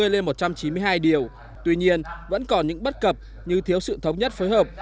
một trăm bảy mươi lên một trăm chín mươi hai điều tuy nhiên vẫn còn những bất cập như thiếu sự thống nhất phối hợp